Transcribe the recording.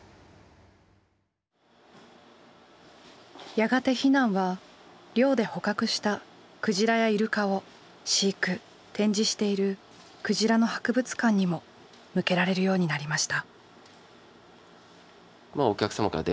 やがて非難は漁で捕獲したクジラやイルカを飼育展示しているくじらの博物館にも向けられるようになりました。